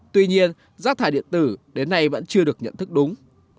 tuy nhiên rác thải điện tử đến nay vẫn chưa được nhận thức đúng